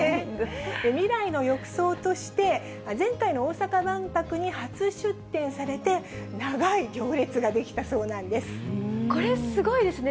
未来の浴槽として、前回の大阪万博に初出展されて、これ、すごいですね。